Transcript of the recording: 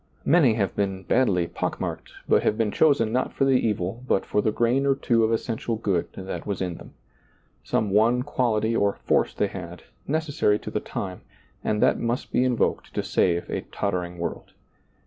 Many have been badly pock marked, but have been chosen not for the evil but for the grain or two of essential good that was in them. Some one quality or force they had, necessary to the time, and that must be invoked to save a tottering world.